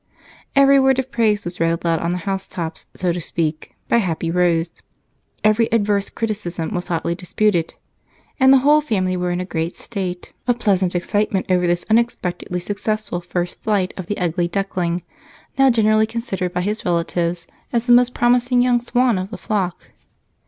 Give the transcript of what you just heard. Every word of praise was read aloud on the housetops, so to speak, by happy Rose; every adverse criticism was hotly disputed; and the whole family was in a great state of pleasant excitement over this unexpectedly successful first flight of the Ugly Duckling, now generally considered by his relatives as the most promising young swan of the flock.